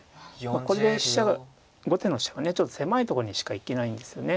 これで後手の飛車がちょっと狭いとこにしか行けないんですよね。